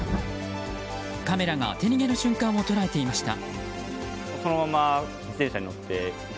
カメラが当て逃げの瞬間を捉えていました。